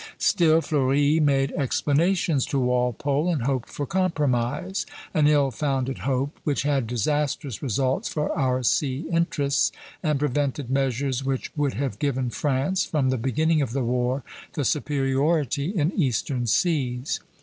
"Still, Fleuri made explanations to Walpole and hoped for compromise, an ill founded hope, which had disastrous results for our sea interests, and prevented measures which would have given France, from the beginning of the war, the superiority in eastern seas."